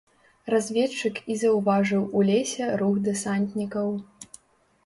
Разведчык і заўважыў у лесе рух дэсантнікаў.